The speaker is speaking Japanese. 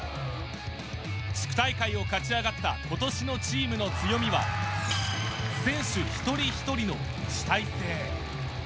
地区大会を勝ち上がった今年のチームの強みは、選手一人一人の主体性。